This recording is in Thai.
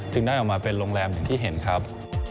ได้ออกมาเป็นโรงแรมอย่างที่เห็นครับ